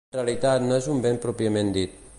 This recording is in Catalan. En realitat no és un vent pròpiament dit.